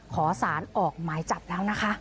ขอสารออกหมายจับแล้วนะคะ